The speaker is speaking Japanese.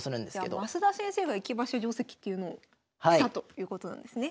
じゃあ升田先生が駅馬車定跡というのをしたということなんですね。